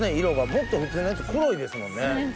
もっと普通のやつ黒いですもんね。